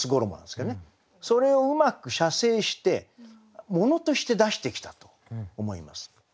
それをうまく写生して物として出してきたと思います。